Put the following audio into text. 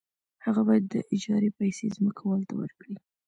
هغه باید د اجارې پیسې ځمکوال ته ورکړي